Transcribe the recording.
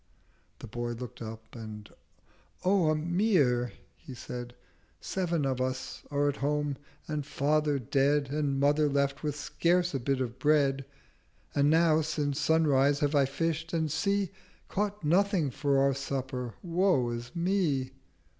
The Boy look'd up, and 'O Amir,' he said, 'Sev'n of us are at home, and Father dead, And Mother left with scarce a Bit of Bread: And now since Sunrise have I fish'd—and see! Caught nothing for our Supper—Woe is Me!'